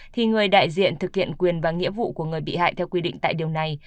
thì người đại diện thực hiện quyền và nghĩa vụ của người bị hại theo quy định tại điều này